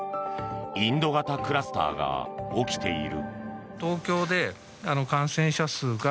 インド型クラスターが起きている。